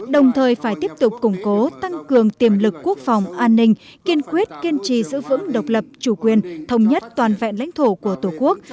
đồng thời phải tiếp tục củng cố tăng cường tiềm lực quốc phòng an ninh kiên quyết kiên trì giữ vững độc lập chủ quyền thống nhất toàn vẹn lãnh thổ của tổ quốc